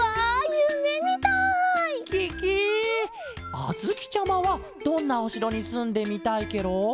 あづきちゃまはどんなおしろにすんでみたいケロ？